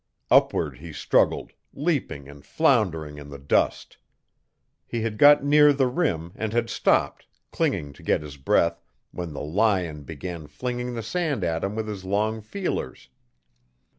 Upward he struggled, leaping and floundering in the dust. He had got near the rim and had stopped, clinging to get his breath, when the lion began flinging the sand at him with his long feelers.